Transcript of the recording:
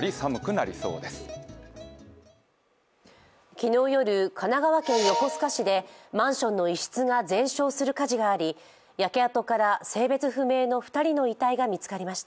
昨日夜、神奈川県横須賀市でマンションの一室が全焼する火事があり、焼け跡から性別不明の２人の遺体が見つかりました。